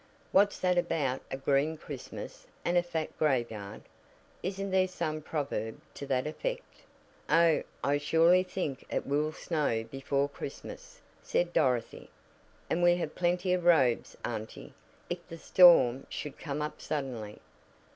What's that about a 'green Christmas, and a fat graveyard'? Isn't there some proverb to that effect?" "Oh, I surely think it will snow before Christmas," said Dorothy. "And we have plenty of robes, auntie, if the storm should come up suddenly."